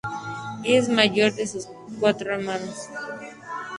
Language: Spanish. Ella es la mayor de sus cuatro hermanas.